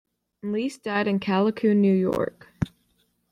Lease died in Callicoon, New York.